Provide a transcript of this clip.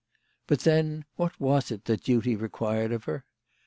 But then, what was it that duty required of her?